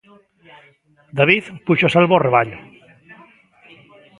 David puxo a salvo o rabaño.